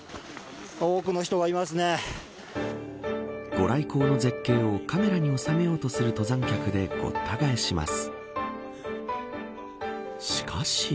御来光の絶景をカメラに収めようとする登山客でごった返します。